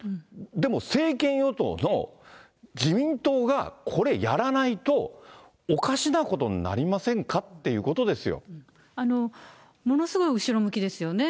でも政権与党の自民党がこれやらないと、おかしなことになりませものすごい後ろ向きですよね。